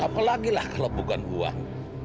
apa lagi lah kalau bukan uang